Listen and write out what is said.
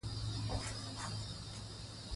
د فرانسیس بېکن وايي: هنر طبیعت او انسان.